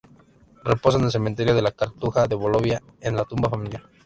Reposa en el Cementerio de la Cartuja de Bolonia, en la tumba familiar.